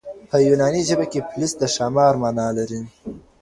په يوناني ژبه کې پوليس د ښار مانا لري.